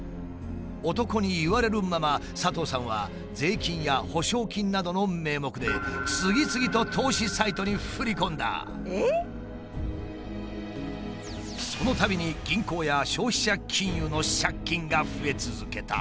男に言われるまま佐藤さんは税金や保証金などの名目でそのたびに銀行や消費者金融の借金が増え続けた。